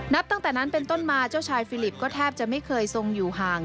ตั้งแต่นั้นเป็นต้นมาเจ้าชายฟิลิปก็แทบจะไม่เคยทรงอยู่ห่าง